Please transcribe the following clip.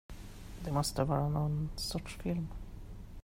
Det måste vara någon sorts film.